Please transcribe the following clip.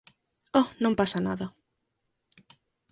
Oh, non pasa nada.